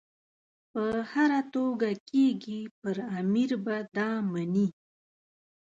په هره توګه کېږي پر امیر به دا مني.